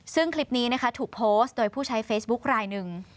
ซึ่งคลิปนี้นะคะถูกโพสต์โดยผู้ใช้เฟซบุ๊คลายหนึ่ง